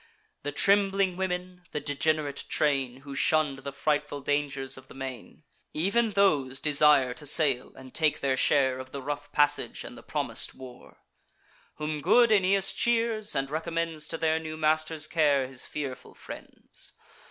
The trembling women, the degenerate train, Who shunn'd the frightful dangers of the main, Ev'n those desire to sail, and take their share Of the rough passage and the promis'd war: Whom good Aeneas cheers, and recommends To their new master's care his fearful friends.